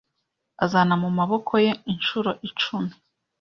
Azana mu maboko ye inshuro icumi